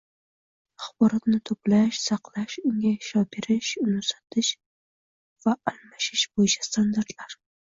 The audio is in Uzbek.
axborotni to‘plash, saqlash, unga ishlov berish, uni uzatish va almashish bo‘yicha standartlar